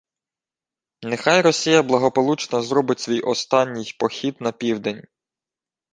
«Нехай Росія благополучно зробить свій останній «похід» на південь